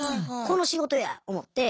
この仕事や思って。